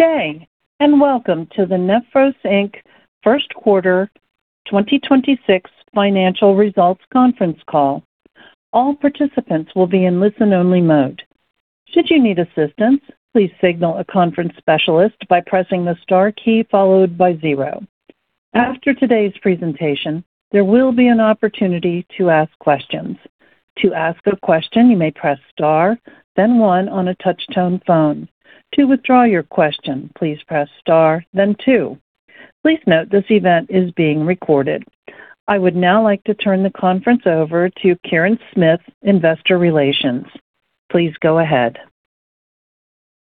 Good day, welcome to the Nephros, Inc. Q1 2026 financial results conference call. All participants will be in listen-only mode. Should you need assistance, please signal a conference specialist by pressing the star key followed by 0. After today's presentation, there will be an opportunity to ask questions. To ask a question, you may press star, then one on a touch-tone phone. To withdraw your question, please press star, then two. Please note this event is being recorded. I would now like to turn the conference over to Kirin Smith, Investor Relations. Please go ahead.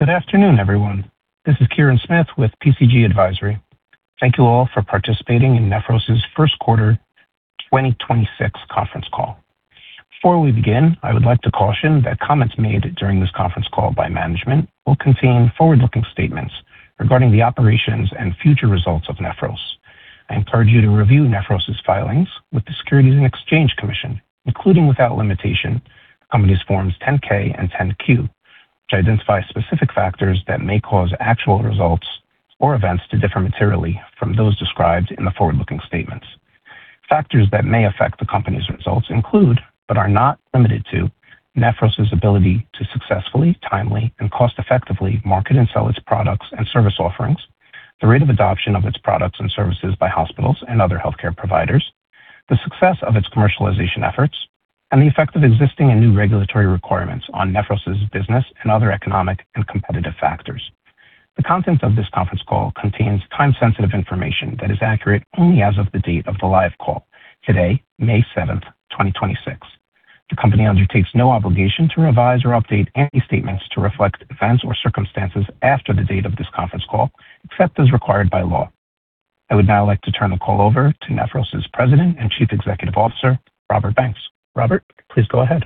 Good afternoon, everyone. This is Kirin Smith with PCG Advisory. Thank you all for participating in Nephros' Q1 2026 conference call. Before we begin, I would like to caution that comments made during this conference call by management will contain forward-looking statements regarding the operations and future results of Nephros. I encourage you to review Nephros' filings with the Securities and Exchange Commission, including without limitation, the company's forms 10-K and 10-Q, which identify specific factors that may cause actual results or events to differ materially from those described in the forward-looking statements. Factors that may affect the company's results include, but are not limited to, Nephros' ability to successfully, timely, and cost-effectively market and sell its products and service offerings, the rate of adoption of its products and services by hospitals and other healthcare providers, the success of its commercialization efforts, and the effect of existing and new regulatory requirements on Nephros' business and other economic and competitive factors. The contents of this conference call contains time-sensitive information that is accurate only as of the date of the live call, today, May 7, 2026. The company undertakes no obligation to revise or update any statements to reflect events or circumstances after the date of this conference call, except as required by law. I would now like to turn the call over to Nephros' President and Chief Executive Officer, Robert Banks. Robert, please go ahead.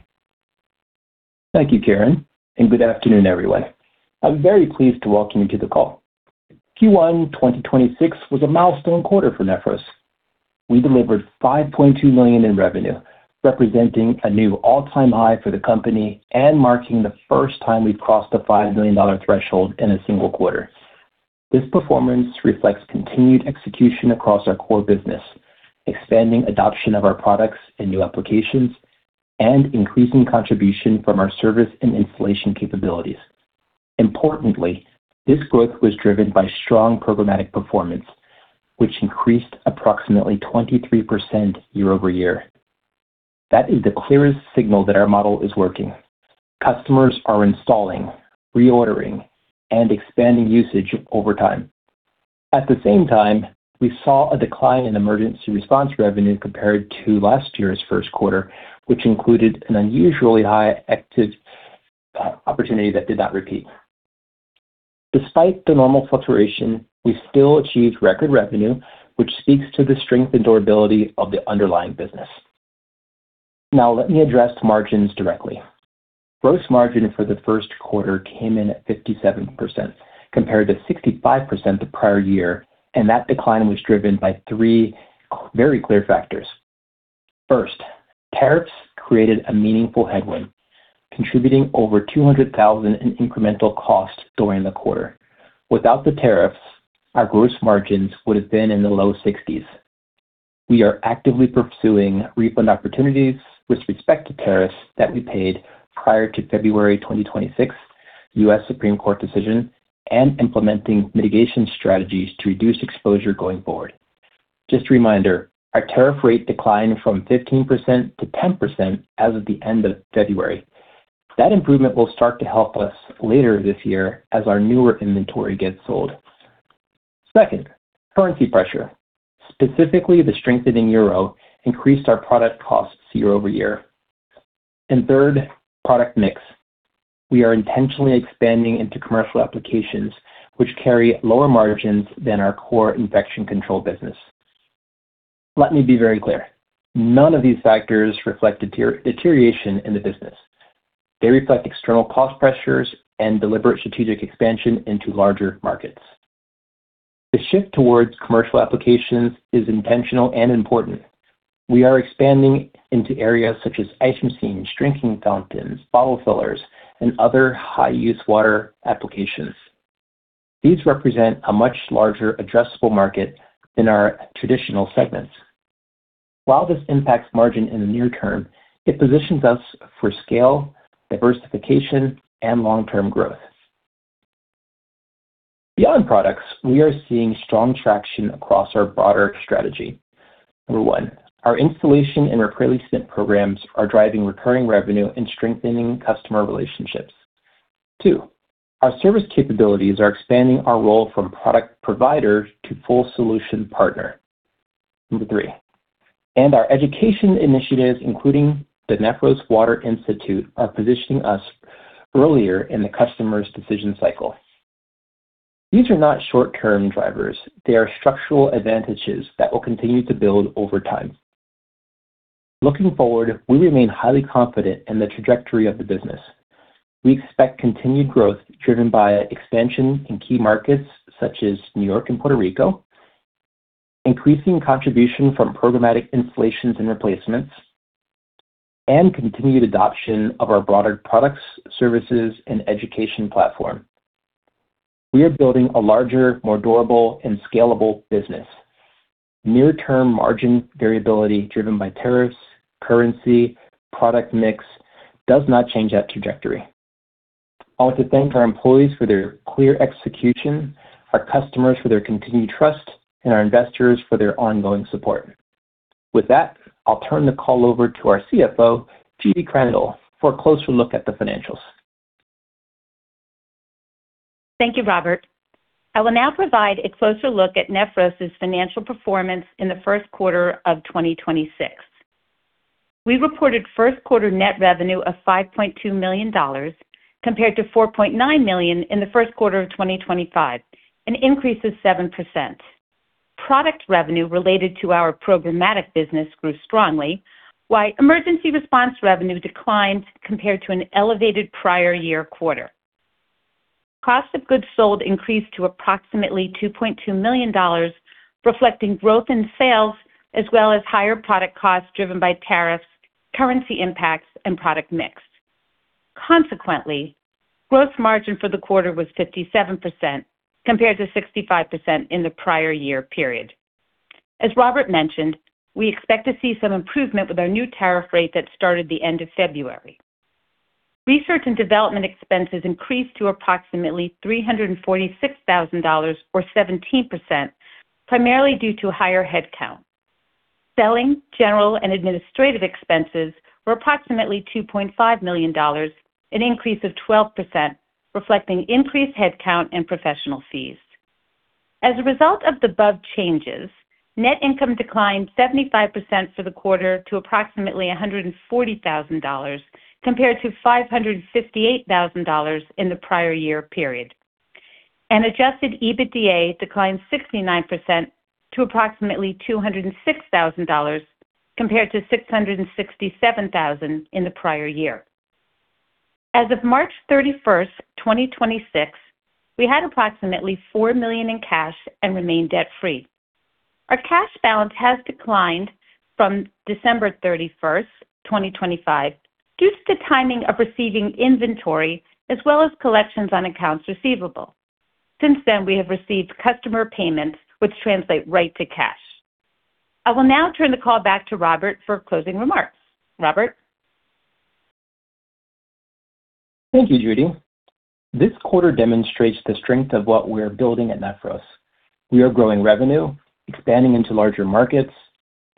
Thank you, Kirin, and good afternoon, everyone. I'm very pleased to welcome you to the call. Q1 2026 was a milestone quarter for Nephros. We delivered $5.2 million in revenue, representing a new all-time high for the company and marking the first time we've crossed the $5 million threshold in a single quarter. This performance reflects continued execution across our core business, expanding adoption of our products and new applications, and increasing contribution from our service and installation capabilities. Importantly, this growth was driven by strong programmatic performance, which increased approximately 23% year-over-year. That is the clearest signal that our model is working. Customers are installing, reordering, and expanding usage over time. At the same time, we saw a decline in emergency response revenue compared to last year's Q1, which included an unusually high active opportunity that did not repeat. Despite the normal fluctuation, we still achieved record revenue, which speaks to the strength and durability of the underlying business. Now, let me address margins directly. Gross margin for the Q1 came in at 57%, compared to 65% the prior year, and that decline was driven by three very clear factors. First, tariffs created a meaningful headwind, contributing over $200,000 in incremental costs during the quarter. Without the tariffs, our gross margins would have been in the low 60s. We are actively pursuing refund opportunities with respect to tariffs that we paid prior to February 2026 US Supreme Court decision and implementing mitigation strategies to reduce exposure going forward. Just a reminder, our tariff rate declined from 15% to 10% as of the end of February. That improvement will start to help us later this year as our newer inventory gets sold. Second, currency pressure, specifically the strengthening euro, increased our product costs year-over-year. Third, product mix. We are intentionally expanding into commercial applications, which carry lower margins than our core infection control business. Let me be very clear. None of these factors reflect deterioration in the business. They reflect external cost pressures and deliberate strategic expansion into larger markets. The shift towards commercial applications is intentional and important. We are expanding into areas such as ice machines, drinking fountains, bottle fillers, and other high-use water applications. These represent a much larger addressable market than our traditional segments. While this impacts margin in the near term, it positions us for scale, diversification, and long-term growth. Beyond products, we are seeing strong traction across our broader strategy. Number one, our installation and replacement programs are driving recurring revenue and strengthening customer relationships. Two, our service capabilities are expanding our role from product provider to full solution partner. Number three, our education initiatives, including the Nephros Water Institute, are positioning us earlier in the customer's decision cycle. These are not short-term drivers. They are structural advantages that will continue to build over time. Looking forward, we remain highly confident in the trajectory of the business. We expect continued growth driven by expansion in key markets such as New York and Puerto Rico, increasing contribution from programmatic installations and replacements. Continued adoption of our broader products, services, and education platform. We are building a larger, more durable, and scalable business. Near-term margin variability driven by tariffs, currency, product mix does not change that trajectory. I want to thank our employees for their clear execution, our customers for their continued trust, and our investors for their ongoing support. With that, I'll turn the call over to our CFO, Judy Krandel, for a closer look at the financials. Thank you, Robert. I will now provide a closer look at Nephros' financial performance in the Q1 of 2026. We reported Q1 net revenue of $5.2 million compared to $4.9 million in the Q1 of 2025, an increase of 7%. Product revenue related to our programmatic business grew strongly, while emergency response revenue declined compared to an elevated prior year quarter. Cost of goods sold increased to approximately $2.2 million, reflecting growth in sales as well as higher product costs driven by tariffs, currency impacts, and product mix. Consequently, gross margin for the quarter was 57% compared to 65% in the prior year period. As Robert mentioned, we expect to see some improvement with our new tariff rate that started the end of February. Research and development expenses increased to approximately $346,000, or 17%, primarily due to higher headcount. Selling, general, and administrative expenses were approximately $2.5 million, an increase of 12%, reflecting increased headcount and professional fees. As a result of the above changes, net income declined 75% for the quarter to approximately $140,000 compared to $558,000 in the prior year period. Adjusted EBITDA declined 69% to approximately $206,000 compared to $667,000 in the prior year. As of March 31, 2026, we had approximately $4 million in cash and remained debt-free. Our cash balance has declined from December 31, 2025 due to the timing of receiving inventory as well as collections on accounts receivable. Since then, we have received customer payments which translate right to cash. I will now turn the call back to Robert for closing remarks. Robert? Thank you, Judy. This quarter demonstrates the strength of what we're building at Nephros. We are growing revenue, expanding into larger markets,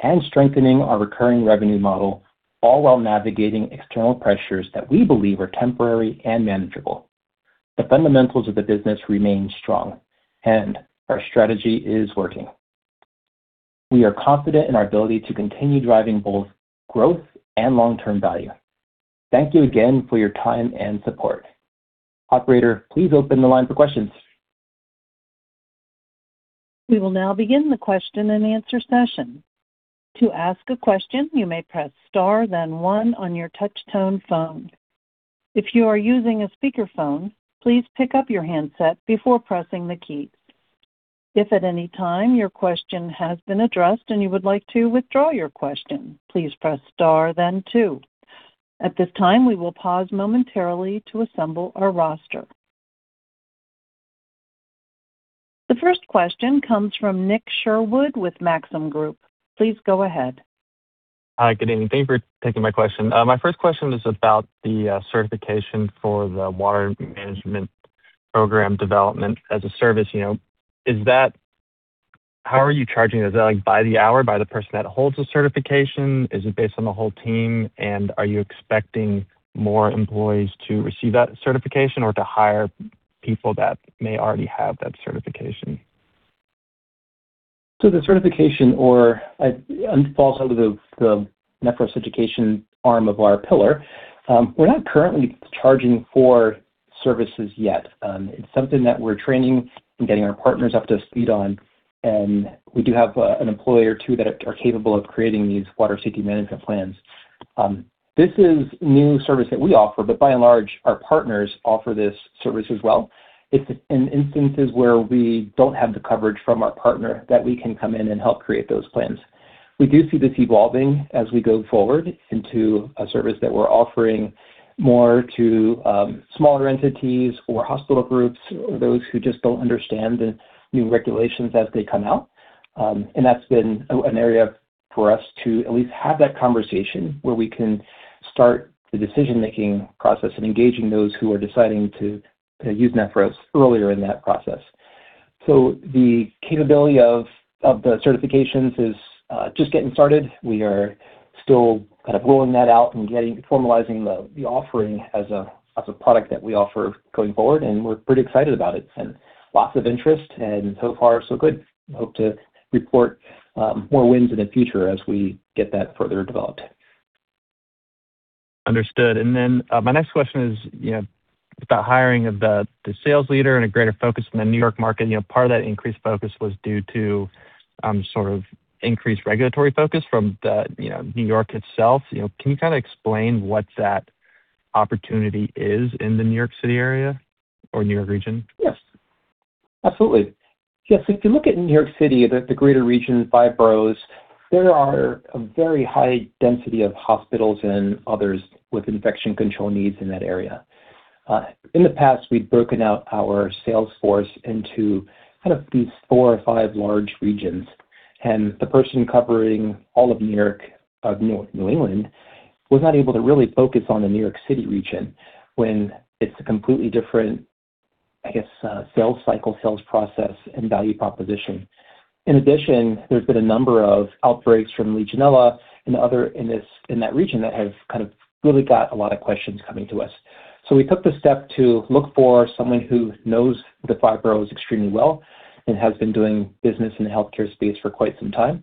and strengthening our recurring revenue model, all while navigating external pressures that we believe are temporary and manageable. The fundamentals of the business remain strong, and our strategy is working. We are confident in our ability to continue driving both growth and long-term value. Thank you again for your time and support. Operator, please open the line for questions. The first question comes from Nick Sherwood with Maxim Group. Please go ahead. Hi, good evening. Thank you for taking my question. My first question is about the certification for the water management program development as a service. You know, how are you charging? Is that, like, by the hour, by the person that holds the certification? Is it based on the whole team? Are you expecting more employees to receive that certification or to hire people that may already have that certification? The certification falls under the Nephros education arm of our pillar. We're not currently charging for services yet. It's something that we're training and getting our partners up to speed on. We do have an employee or two that are capable of creating these water safety management plans. This is new service that we offer, but by and large, our partners offer this service as well. It's in instances where we don't have the coverage from our partner that we can come in and help create those plans. We do see this evolving as we go forward into a service that we're offering more to smaller entities or hospital groups or those who just don't understand the new regulations as they come out. That's been an area for us to at least have that conversation where we can start the decision-making process and engaging those who are deciding to use Nephros earlier in that process. The capability of the certifications is just getting started. We are still kind of rolling that out and formalizing the offering as a product that we offer going forward, and we're pretty excited about it. Lots of interest, and so far, so good. Hope to report more wins in the future as we get that further developed. Understood. My next question is, you know, about hiring of the sales leader and a greater focus in the New York market. You know, part of that increased focus was due to, sort of increased regulatory focus from the, you know, New York itself. You know, can you kinda explain what that opportunity is in the New York City area or New York region? Yes. Absolutely. Yes, if you look at New York City, the greater region, 5 boroughs, there are a very high density of hospitals and others with infection control needs in that area. In the past, we've broken out our sales force into kind of these four or five large regions, and the person covering all of New York, New England was not able to really focus on the New York City region when it's a completely different, I guess, sales cycle, sales process and value proposition. In addition, there's been a number of outbreaks from Legionella and other in that region that have kind of really got a lot of questions coming to us. We took the step to look for someone who knows the five boroughs extremely well and has been doing business in the healthcare space for quite some time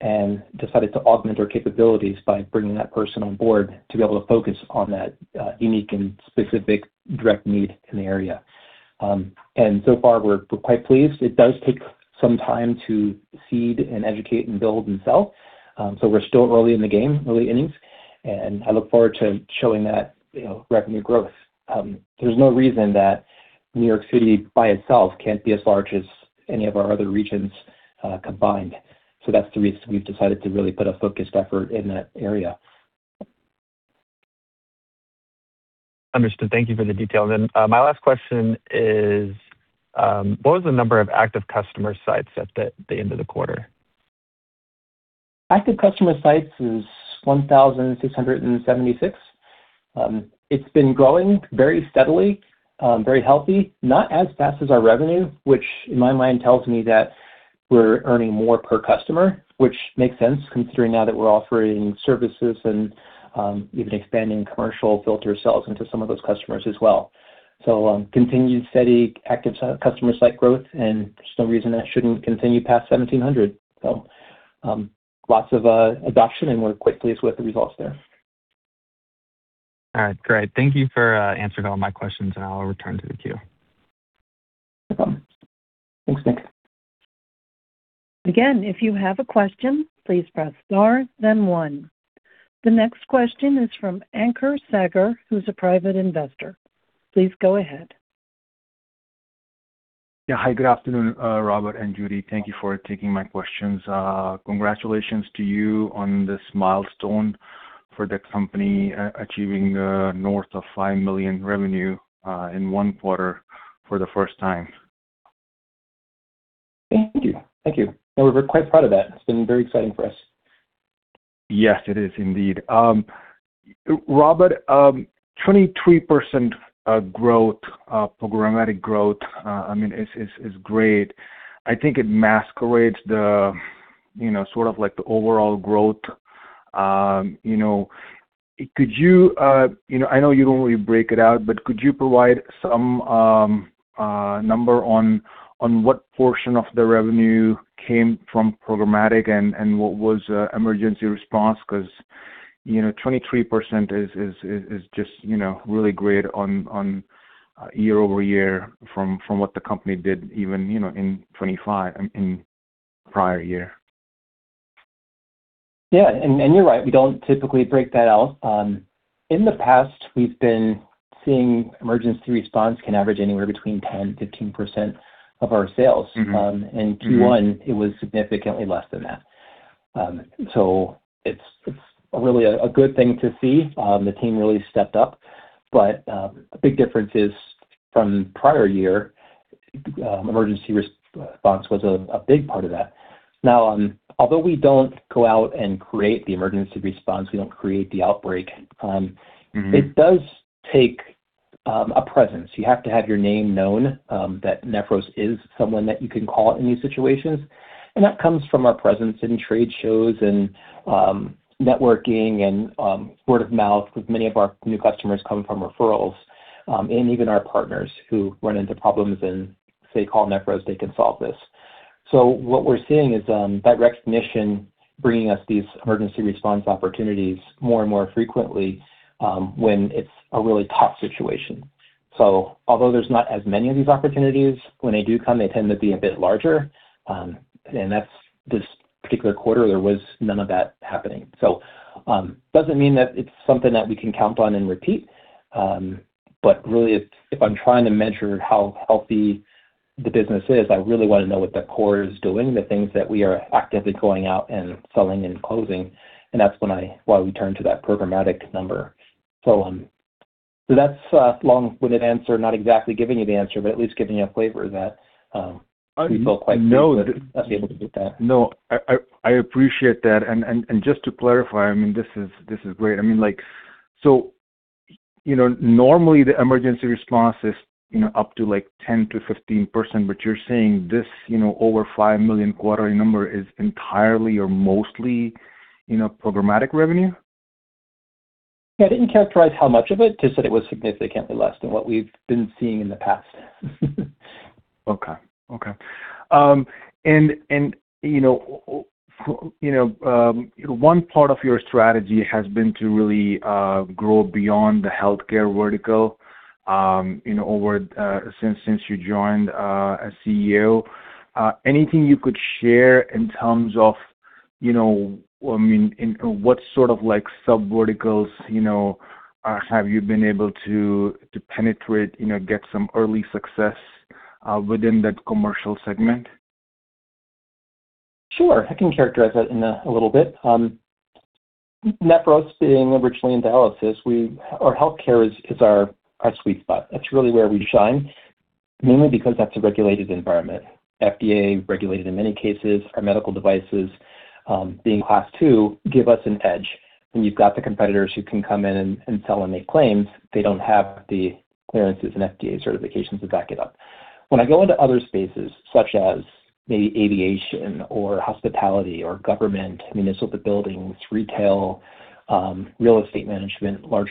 and decided to augment our capabilities by bringing that person on board to be able to focus on that unique and specific direct need in the area. We're quite pleased. It does take some time to seed and educate and build and sell, so we're still early in the game, early innings, and I look forward to showing that, you know, revenue growth. There's no reason that New York City by itself can't be as large as any of our other regions combined, so that's the reason we've decided to really put a focused effort in that area. Understood. Thank you for the details. My last question is, what was the number of active customer sites at the end of the quarter? Active customer sites is 1,676. It's been growing very steadily, very healthy. Not as fast as our revenue, which in my mind tells me that we're earning more per customer, which makes sense considering now that we're offering services and even expanding commercial filter sales into some of those customers as well. Continued steady active customer site growth, and there's no reason that shouldn't continue past 1,700. Lots of adoption, and we're quite pleased with the results there. All right. Great. Thank you for answering all my questions. I'll return to the queue. No problem. Thanks, Nick. Again, if you have a question, please press star then one. The next question is from Ankur Sagar, who's a private investor. Please go ahead. Yeah, hi. Good afternoon, Robert and Judy. Thank you for taking my questions. Congratulations to you on this milestone for the company achieving, north of $5 million revenue, in one quarter for the first time. Thank you. Thank you. We're quite proud of that. It's been very exciting for us. Yes, it is indeed. Robert, 23% growth, programmatic growth, I mean, is great. I think it masquerades the, you know, sort of like the overall growth, you know. Could you know, I know you don't really break it out, but could you provide some number on what portion of the revenue came from programmatic and what was emergency response? You know, 23% is just, you know, really great on year-over-year from what the company did even, you know, in 2025 in prior year. You're right, we don't typically break that out. In the past, we've been seeing emergency response can average anywhere between 10%-15% of our sales. In Q1, it was significantly less than that. It's, it's really a good thing to see. The team really stepped up. A big difference is from prior year, emergency response was a big part of that. Although we don't go out and create the emergency response, we don't create the outbreak. It does take a presence. You have to have your name known, that Nephros is someone that you can call in these situations, and that comes from our presence in trade shows and networking and word of mouth, with many of our new customers coming from referrals, and even our partners who run into problems and say, "Call Nephros, they can solve this." What we're seeing is that recognition bringing us these emergency response opportunities more and more frequently, when it's a really tough situation. Although there's not as many of these opportunities, when they do come, they tend to be a bit larger. That's this particular quarter, there was none of that happening. Doesn't mean that it's something that we can count on and repeat. Really if I'm trying to measure how healthy the business is, I really want to know what the core is doing, the things that we are actively going out and selling and closing, and that's why we turn to that programmatic number. That's a long-winded answer, not exactly giving you the answer, but at least giving you a flavor that, we feel quite pleased. No- with us being able to do that. No, I appreciate that. Just to clarify, I mean, this is great. I mean, like, you know, normally the emergency response is, you know, up to like 10%-15%, but you're saying this, you know, over $5 million quarterly number is entirely or mostly, you know, programmatic revenue? Yeah, I didn't characterize how much of it, just that it was significantly less than what we've been seeing in the past. Okay. Okay. You know, you know, one part of your strategy has been to really grow beyond the healthcare vertical, you know, over since you joined as CEO. Anything you could share in terms of, you know, I mean, in what sort of like sub-verticals, you know, have you been able to penetrate, you know, get some early success within that commercial segment? Sure. I can characterize that a little bit. Nephros being originally in dialysis, our healthcare is our sweet spot. That's really where we shine, mainly because that's a regulated environment. FDA regulated in many cases, our medical devices, being Class II give us an edge. When you've got the competitors who can come in and sell and make claims, they don't have the clearances and FDA certifications to back it up. When I go into other spaces, such as maybe aviation or hospitality or government, municipal buildings, retail, real estate management, large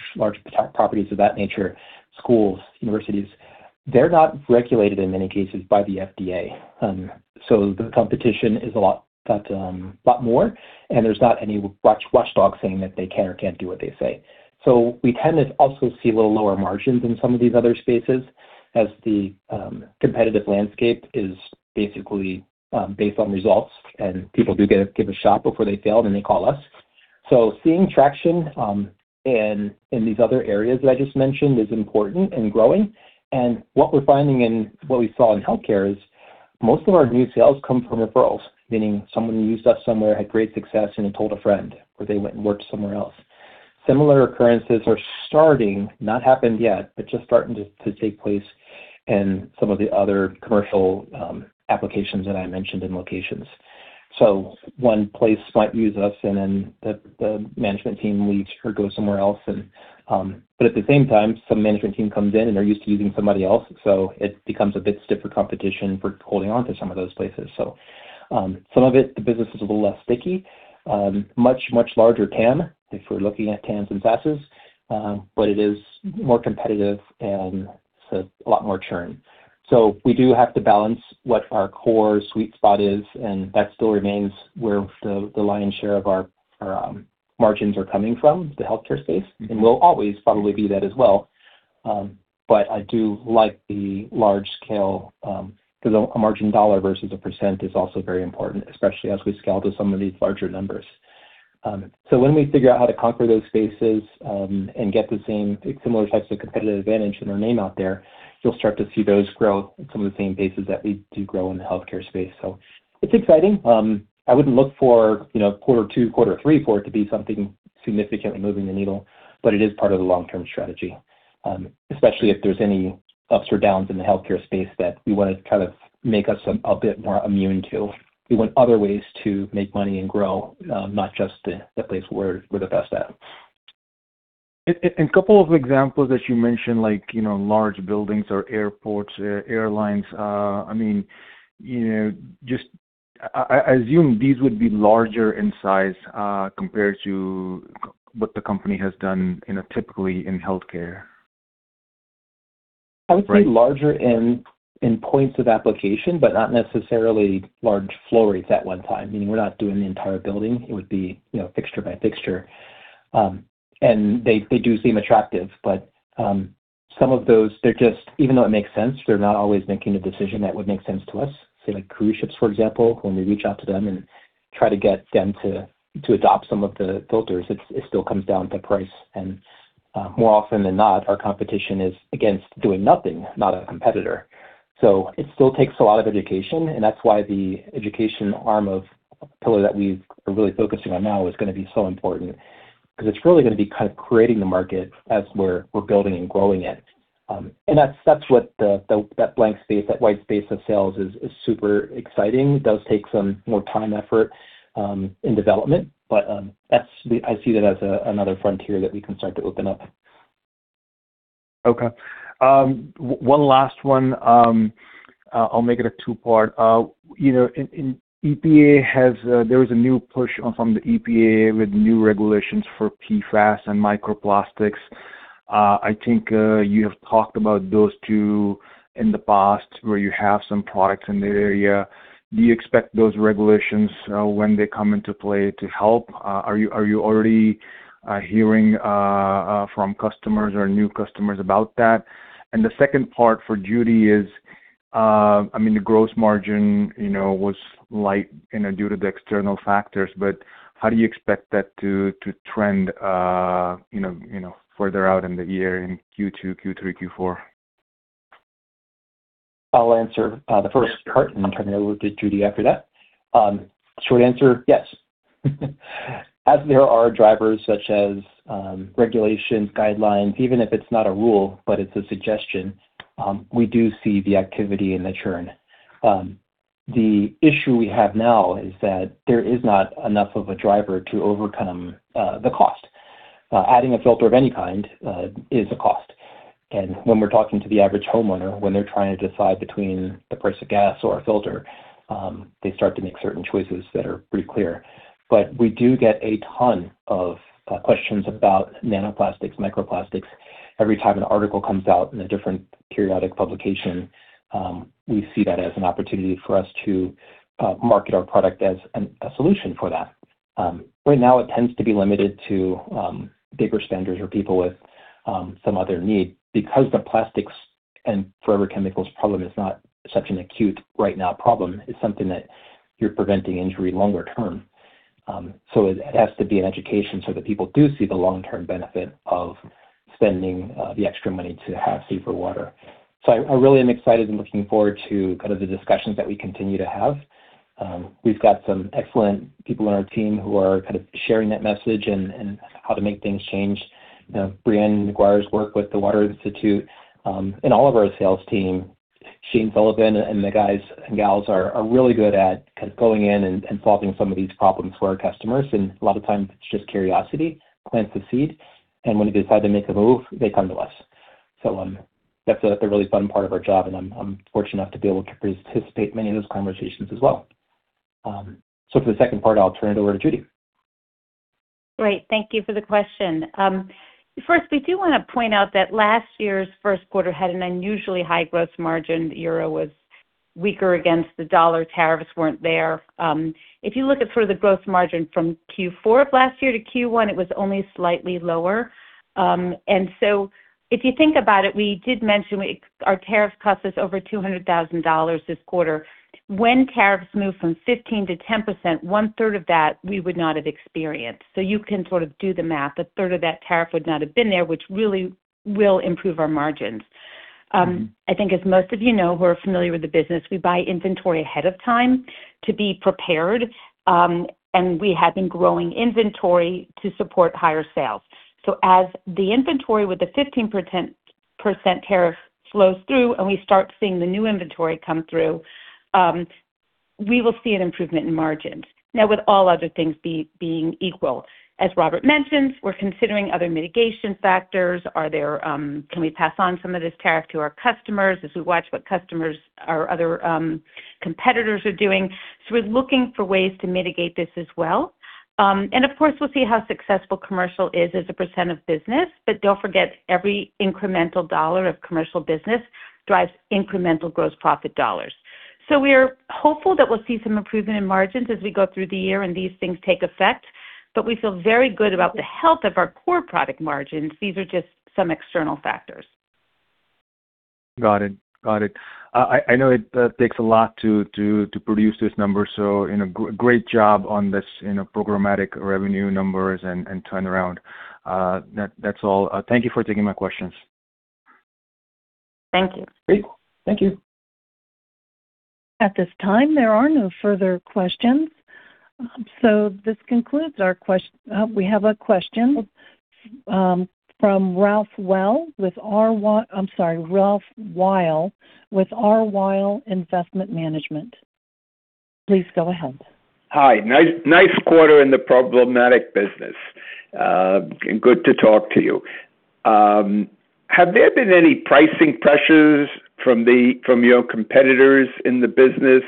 properties of that nature, schools, universities, they're not regulated in many cases by the FDA. The competition is a lot more, and there's not any watchdog saying that they can or can't do what they say. We tend to also see a little lower margins in some of these other spaces as the competitive landscape is basically based on results, and people do give a shot before they fail, then they call us. Seeing traction in these other areas that I just mentioned is important and growing. What we're finding and what we saw in healthcare is most of our new sales come from referrals, meaning someone who used us somewhere, had great success and then told a friend, or they went and worked somewhere else. Similar occurrences are starting, not happened yet, but just starting to take place in some of the other commercial applications that I mentioned and locations. One place might use us and then the management team leaves or goes somewhere else, at the same time, some management team comes in and they're used to using somebody else, it becomes a bit stiffer competition for holding on to some of those places. Some of it, the business is a little less sticky. Much larger TAM, if we're looking at TAMs and SAMs. It is more competitive, a lot more churn. We do have to balance what our core sweet spot is, and that still remains where the lion's share of our margins are coming from, the healthcare space, and will always probably be that as well. I do like the large scale, 'cause a margin dollar versus a percent is also very important, especially as we scale to some of these larger numbers. When we figure out how to conquer those spaces, and get the same, similar types of competitive advantage and our name out there, you'll start to see those grow at some of the same paces that we do grow in the healthcare space. It's exciting. I wouldn't look for, you know, quarter two, quarter three for it to be something significantly moving the needle, but it is part of the long-term strategy, especially if there's any ups or downs in the healthcare space that we wanna kind of make us a bit more immune to. We want other ways to make money and grow, not just the place we're the best at. Couple of examples that you mentioned, like, you know, large buildings or airports, airlines, I mean, you know, just I assume these would be larger in size compared to what the company has done in a typically in healthcare, right? I would say larger in points of application, but not necessarily large flow rates at one time, meaning we're not doing the entire building. It would be, you know, fixture by fixture. They do seem attractive, but some of those, they're just, even though it makes sense, they're not always making the decision that would make sense to us. Say like cruise ships, for example, when we reach out to them and try to get them to adopt some of the filters, it still comes down to price. More often than not, our competition is against doing nothing, not a competitor. It still takes a lot of education, that's why the education arm of pillar that we're really focusing on now is gonna be so important 'cause it's really gonna be kind of creating the market as we're building and growing it. That's what the that blank space, that white space of sales is super exciting. Does take some more time, effort in development, that's the I see that as a, another frontier that we can start to open up. Okay. One last one. I'll make it a two-part. You know, EPA has, there was a new push on from the EPA with new regulations for PFAS and microplastics. I think, you have talked about those two in the past where you have some products in the area. Do you expect those regulations, when they come into play to help? Are you already hearing from customers or new customers about that? The second part for Judy is, I mean, the gross margin, you know, was light, you know, due to the external factors, but how do you expect that to trend further out in the year in Q2, Q3, Q4? I'll answer the first part, and then turn it over to Judy after that. Short answer, yes. As there are drivers such as regulations, guidelines, even if it's not a rule, but it's a suggestion, we do see the activity and the churn. The issue we have now is that there is not enough of a driver to overcome the cost. Adding a filter of any kind is a cost. When we're talking to the average homeowner, when they're trying to decide between the price of gas or a filter, they start to make certain choices that are pretty clear. We do get a ton of questions about nanoplastics, microplastics. Every time an article comes out in a different periodic publication, we see that as an opportunity for us to market our product as a solution for that. Right now it tends to be limited to bigger spenders or people with some other need because the plastics and forever chemicals problem is not such an acute right now problem. It's something that you're preventing injury longer term. It has to be an education so that people do see the long-term benefit of spending the extra money to have safer water. I really am excited and looking forward to kind of the discussions that we continue to have. We've got some excellent people on our team who are kind of sharing that message and how to make things change. You know, Brianne McGuire's work with the Water Institute, and all of our sales team, Shane Phillip and the guys and gals are really good at kind of going in and solving some of these problems for our customers, and a lot of times it's just curiosity plants the seed, and when they decide to make a move, they come to us. That's a really fun part of our job, and I'm fortunate enough to be able to participate in many of those conversations as well. For the second part, I'll turn it over to Judy. Great. Thank you for the question. First, we do wanna point out that last year's Q1 had an unusually high gross margin. The euro was weaker against the dollar, tariffs weren't there. If you look at sort of the gross margin from Q4 of last year to Q1, it was only slightly lower. If you think about it, we did mention our tariff cost us over $200,000 this quarter. When tariffs move from 15%-10%, one-third of that we would not have experienced. You can sort of do the math. A third of that tariff would not have been there, which really will improve our margins. I think as most of you know who are familiar with the business, we buy inventory ahead of time to be prepared, and we have been growing inventory to support higher sales. As the inventory with the 15% tariff flows through and we start seeing the new inventory come through, we will see an improvement in margins. Now, with all other things being equal, as Robert mentioned, we're considering other mitigation factors. Are there, can we pass on some of this tariff to our customers as we watch what customers or other competitors are doing? We're looking for ways to mitigate this as well. Of course, we'll see how successful commercial is as a % of business, but don't forget, every incremental dollar of commercial business drives incremental gross profit dollars. We're hopeful that we'll see some improvement in margins as we go through the year and these things take effect, but we feel very good about the health of our core product margins. These are just some external factors. Got it. Got it. I know it takes a lot to produce this number, so in a great job on this, you know, programmatic revenue numbers and turnaround. That's all. Thank you for taking my questions. Thank you. Great. Thank you. At this time, there are no further questions, this concludes our. Oh, we have a question from Ralph Weil with R. Weil I'm sorry, Ralph Weil with R. Weil Investment Management. Please go ahead. Hi. Nice quarter in the programmatic business, good to talk to you. Have there been any pricing pressures from your competitors in the business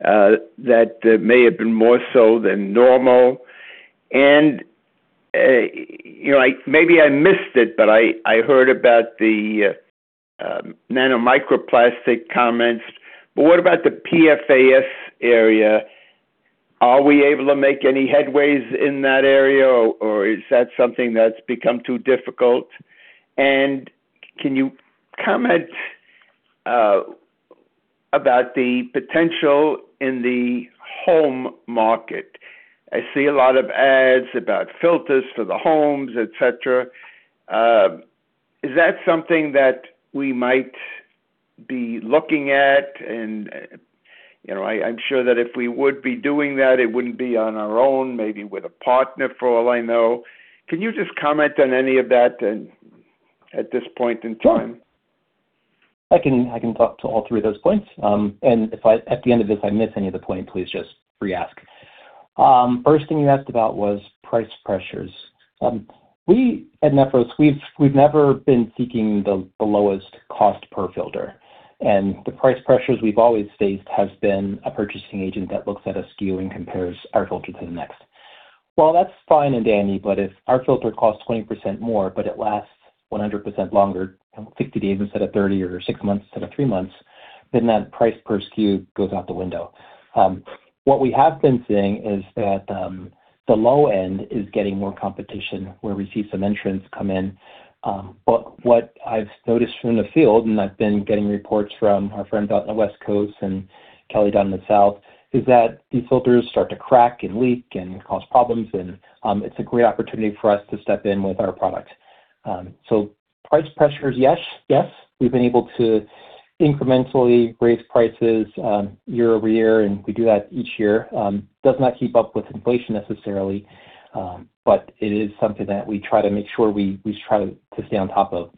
that may have been more so than normal? You know, maybe I missed it, but I heard about the nano microplastic comments, what about the PFAS area? Are we able to make any headways in that area or is that something that's become too difficult? Can you comment about the potential in the home market? I see a lot of ads about filters for the homes, et cetera. Is that something that we might be looking at? You know, I'm sure that if we would be doing that, it wouldn't be on our own, maybe with a partner for all I know. Can you just comment on any of that at this point in time? Sure. I can talk to all three of those points. If I, at the end of this, if I miss any of the point, please just re-ask. First thing you asked about was price pressures. We at Nephros, we've never been seeking the lowest cost per filter. The price pressures we've always faced has been a purchasing agent that looks at a SKU and compares our filter to the next. Well, that's fine and dandy, but if our filter costs 20% more, but it lasts 100% longer, 60 days instead of 30 or six months instead of three months, then that price per SKU goes out the window. What we have been seeing is that the low end is getting more competition, where we see some entrants come in. What I've noticed from the field, and I've been getting reports from our friends out on the West Coast and Kelly down in the South, is that these filters start to crack and leak and cause problems and it's a great opportunity for us to step in with our product. Price pressures, yes. We've been able to incrementally raise prices year-over-year, and we do that each year. Does not keep up with inflation necessarily, but it is something that we try to make sure we try to stay on top of.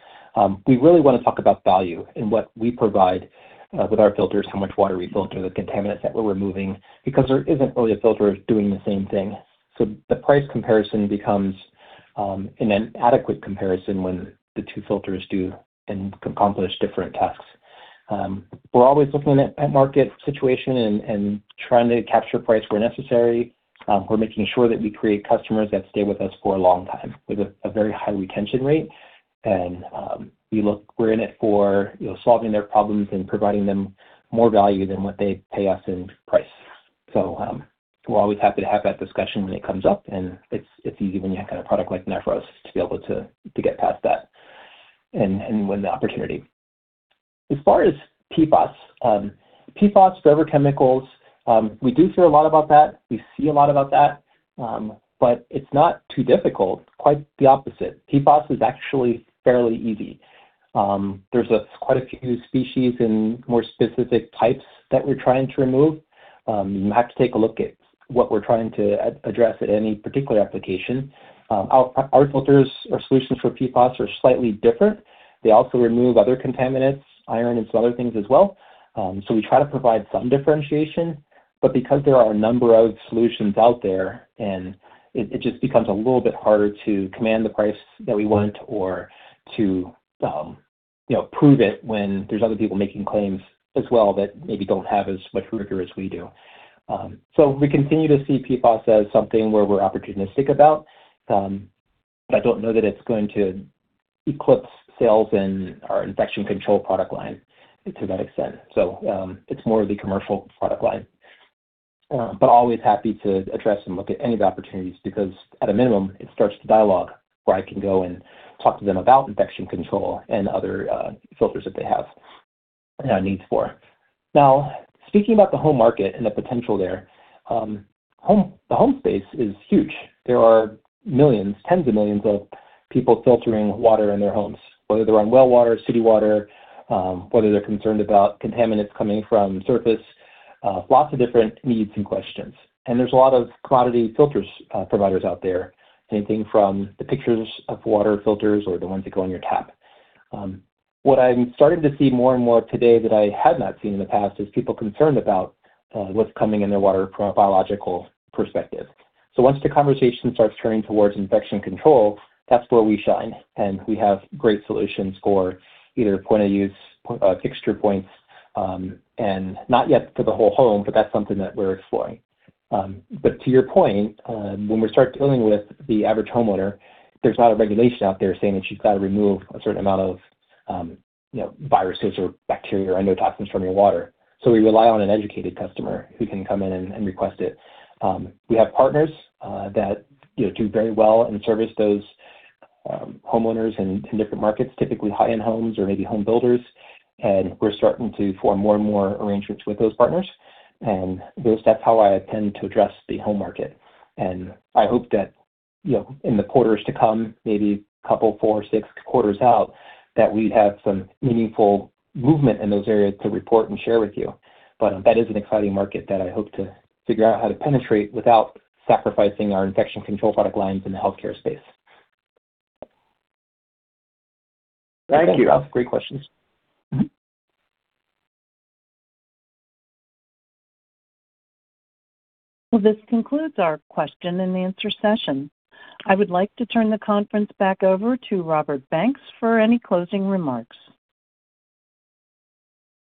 We really wanna talk about value and what we provide with our filters, how much water we filter, the contaminants that we're removing, because there isn't really a filter doing the same thing. The price comparison becomes an inadequate comparison when the two filters do and can accomplish different tasks. We're always looking at market situation and trying to capture price where necessary. We're making sure that we create customers that stay with us for a long time with a very high retention rate. We're in it for, you know, solving their problems and providing them more value than what they pay us in price. We're always happy to have that discussion when it comes up, and it's easy when you have kind of product like Nephros to be able to get past that. As far as PFAS, forever chemicals, we do hear a lot about that. We see a lot about that. It's not too difficult, quite the opposite. PFAS is actually fairly easy. There's quite a few species and more specific types that we're trying to remove. You have to take a look at what we're trying to address at any particular application. Our filters, our solutions for PFAS are slightly different. They also remove other contaminants, iron and some other things as well. We try to provide some differentiation, but because there are a number of solutions out there, and it just becomes a little bit harder to command the price that we want or to, you know, prove it when there's other people making claims as well that maybe don't have as much rigor as we do. We continue to see PFAS as something where we're opportunistic about. I don't know that it's going to eclipse sales in our infection control product line to that extent. It's more of the commercial product line. Always happy to address and look at any of the opportunities because at a minimum, it starts the dialogue where I can go and talk to them about infection control and other filters that they have needs for. Speaking about the home market and the potential there, the home space is huge. There are millions, tens of millions of people filtering water in their homes, whether they're on well water, city water, whether they're concerned about contaminants coming from surface, lots of different needs and questions. There's a lot of commodity filters providers out there, anything from the pitchers of water filters or the ones that go in your tap. What I'm starting to see more and more today that I had not seen in the past is people concerned about what's coming in their water from a biological perspective. Once the conversation starts turning towards infection control, that's where we shine, and we have great solutions for either point of use, fixture points, and not yet for the whole home, but that's something that we're exploring. To your point, when we start dealing with the average homeowner, there's not a regulation out there saying that you've got to remove a certain amount of, you know, viruses or bacteria or endotoxins from your water. We rely on an educated customer who can come in and request it. We have partners, that, you know, do very well and service those homeowners in different markets, typically high-end homes or maybe home builders. We're starting to form more and more arrangements with those partners. That's how I intend to address the home market. I hope that, you know, in the quarters to come, maybe two, four, six quarters out, that we have some meaningful movement in those areas to report and share with you. That is an exciting market that I hope to figure out how to penetrate without sacrificing our infection control product lines in the healthcare space. Thank you. Great questions. Mm-hmm. Well, this concludes our question and answer session. I would like to turn the conference back over to Robert Banks for any closing remarks.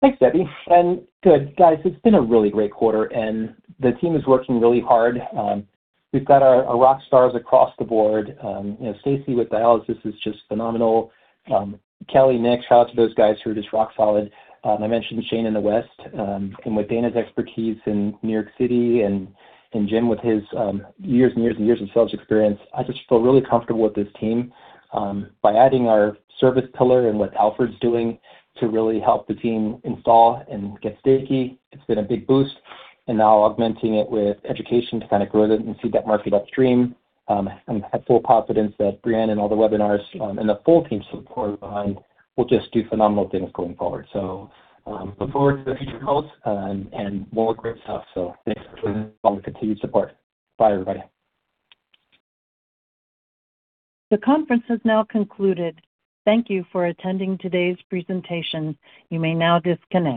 Thanks, Debbie. Guys, it's been a really great quarter, and the team is working really hard. We've got our rock stars across the board. You know, Stacy with dialysis is just phenomenal. Kelly, Nick, shout out to those guys who are just rock solid. I mentioned Shane in the West, with Dana's expertise in New York City and Jim with his years of sales experience, I just feel really comfortable with this team. By adding our service pillar and what Alfred's doing to really help the team install and get sticky, it's been a big boost. Now augmenting it with education to kind of grow it and see that market upstream, I have full confidence that Brianne and all the webinars, and the full team support behind will just do phenomenal things going forward. Look forward to the future calls and more great stuff. Thanks for joining and all the continued support. Bye everybody. The conference has now concluded. Thank you for attending today's presentation. You may now disconnect.